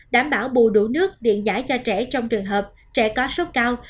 đảm bảo bù đủ nước điện giải cho trẻ trong trường hợp trẻ có sốc cao